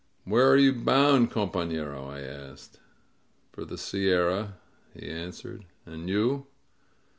"Where are you bound, compa^rof I asked. "For the sierra," he answered. "And you?"